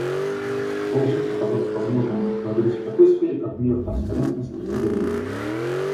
Должен оказаться возможным и прогресс в такой сфере, как меры транспарентности и доверия.